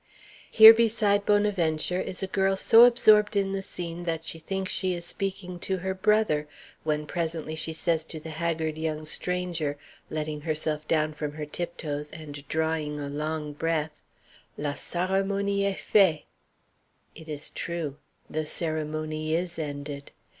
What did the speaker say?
Here beside Bonaventure is a girl so absorbed in the scene that she thinks she is speaking to her brother, when presently she says to the haggard young stranger, letting herself down from her tiptoes and drawing a long breath: "La sarimonie est fait." It is true; the ceremony is ended.